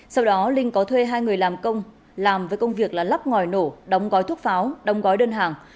sau đó linh có thuê hai người làm công làm với công việc là lắp ngòi nổ đóng gói thuốc pháo đóng gói đơn hàng